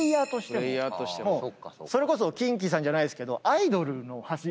それこそキンキさんじゃないですけど。